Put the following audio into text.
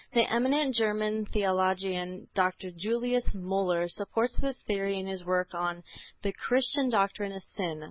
The eminent German theologian Dr. Julius Müller supports this theory in his work on "The Christian Doctrine of Sin."